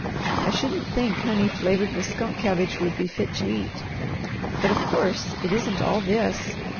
I shouldn't think honey flavoured with skunk cabbage would be fit to eat. But, of course, it isn't all this.